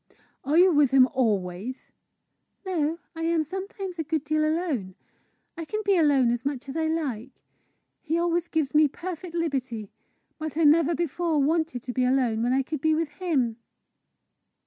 "Are you with him always?" "No; I am sometimes a good deal alone. I can be alone as much as I like; he always gives me perfect liberty. But I never before wanted to be alone when I could be with him."